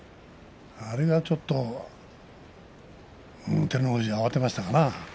あれがちょっと照ノ富士、慌てましたかな。